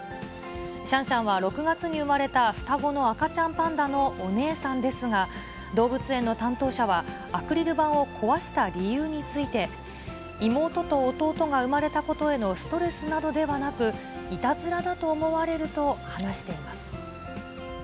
シャンシャンは６月に産まれた双子の赤ちゃんパンダのお姉さんですが、動物園の担当者は、アクリル板を壊した理由について、妹と弟が生まれたことへのストレスなどではなく、いたずらだと思われると話しています。